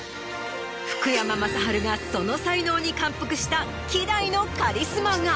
福山雅治がその才能に感服した希代のカリスマが。